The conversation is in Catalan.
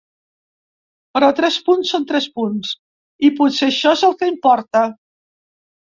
Però tres punts són tres punts, i potser això és el que importa.